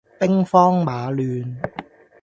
兵荒馬亂